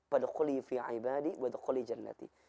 padukhul fi aibadi wadukhul jannati